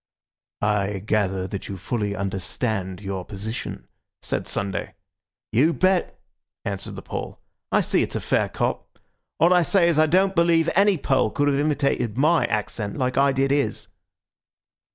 "I gather that you fully understand your position," said Sunday. "You bet," answered the Pole. "I see it's a fair cop. All I say is, I don't believe any Pole could have imitated my accent like I did his."